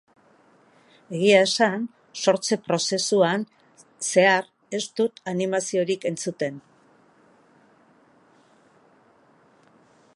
Egia esan, sortze prozesuan zehar ez dut animaziorik entzuten.